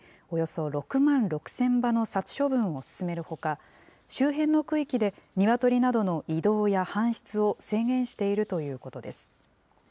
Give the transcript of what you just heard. およそ６万６０００羽の殺処分を進めるほか、周辺の区域でニワトリなどの移動や搬出を制限しているということです。